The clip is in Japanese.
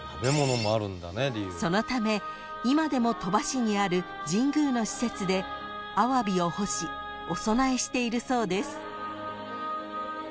［そのため今でも鳥羽市にある神宮の施設でアワビを干しお供えしているそうです］